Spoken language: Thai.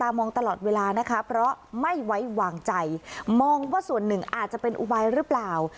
มองว่าส่วนหนึ่งอาจจะเป็นอุบัยหรือเปล่า